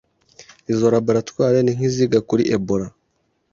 Izo laboratoires ni nk'iziga kuri Ebola